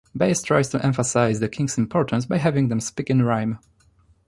Bayes tries to emphasise the kings' importance by having them speak in rhyme.